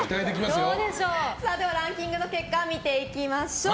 では、ランキングの結果見ていきましょう。